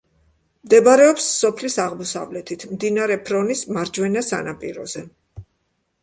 მდებარეობს სოფლის აღმოსავლეთით, მდინარე ფრონის მარჯვენა სანაპიროზე.